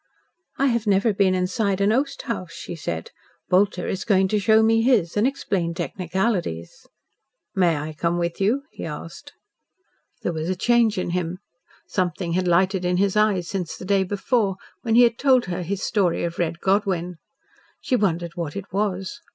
"I have never been inside an oast house," she said; "Bolter is going to show me his, and explain technicalities." "May I come with you?" he asked. There was a change in him. Something had lighted in his eyes since the day before, when he had told her his story of Red Godwyn. She wondered what it was.